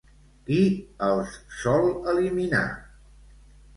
Qui els sol eliminar?